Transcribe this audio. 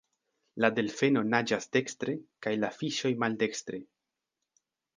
La Delfeno naĝas dekstre, kaj la Fiŝoj maldekstre.